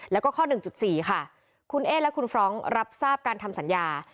แล้วก็ข้อ๑๔ค่ะคุณเอ๊และคุณฟรองก์รับทราบการทำสัญญา